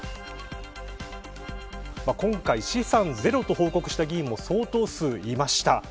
今回、資産ゼロと報告した議員も相当数いました。